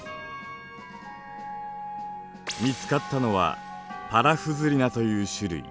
見つかったのはパラフズリナという種類。